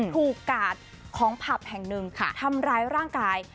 กาดของผับแห่งหนึ่งทำร้ายร่างกาย